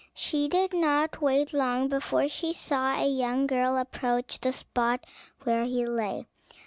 She did not wait long before she saw a young girl approach the spot where he lay.